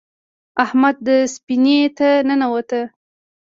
احمد سفینې ته ننوت.